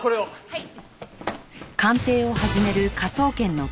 はい。